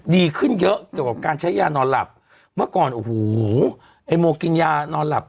ดีขึ้นเยอะเกี่ยวกับการใช้ยานอนหลับเมื่อก่อนโอ้โหไอ้โมกินยานอนหลับ